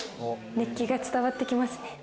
熱気が伝わってきますね